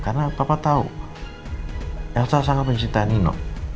karena papa tau elsa sangat mencintai nino